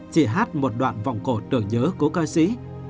chị hát một đoạn vọng cổ tưởng nhớ của ca sĩ